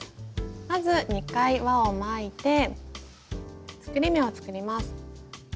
まず２回輪を巻いて作り目を作ります。